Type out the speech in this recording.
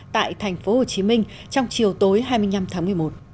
tại thành phố hồ chí minh trong chiều tối hai mươi năm tháng một mươi một